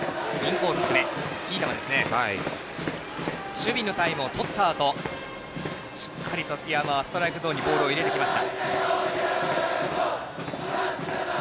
守備のタイムをとったあとしっかりと杉山はストライクゾーンにボールを入れてきました。